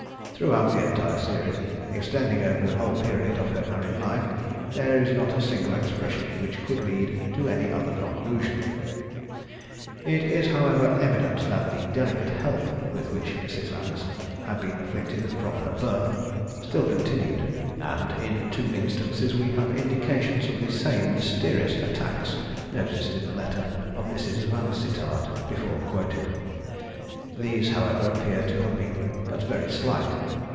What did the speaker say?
Throughout the entire series, extending over the whole period of her married life, there is not a single expression which could lead to any other conclusion. It is, however, evident that the delicate health with which Mrs. Anderton had been afflicted from her birth, still continued, and in two instances we have indications of the same mysterious attacks noticed in the letter of Mrs. Vansittart, before quoted. These, however, appear to have been but very slight.